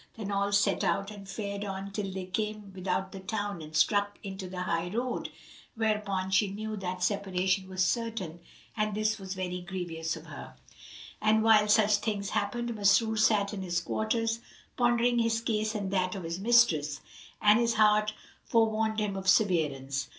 Then all set out and fared on till they came without the town and struck into the high road, whereupon she knew that separation was certain and this was very grievous to her. And while such things happened Masrur sat in his quarters, pondering his case and that of his mistress, and his heart forewarned him of severance.